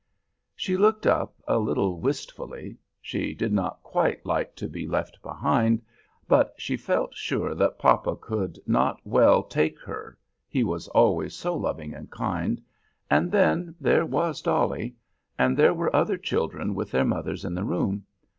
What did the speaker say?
She looked up a little wistfully. She did not quite like to be left behind, but she felt sure papa could not well take her, he was always so loving and kind, and then, there was dolly; and there were other children with their mothers in the room.